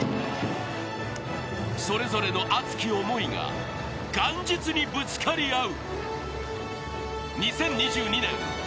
それぞれの熱き思いが元日にぶつかり合う。